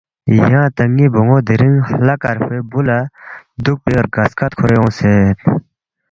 ”یا تا ن٘ی بون٘و دِرنگ ہلہ کرفوے بُو لہ دُوکپی رگہ سکت کُھورے اونگسید“